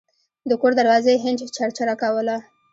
د کور دروازې هینج چرچره کوله.